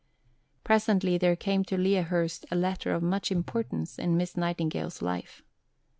Presently there came to Lea Hurst a letter of much importance in Miss Nightingale's life.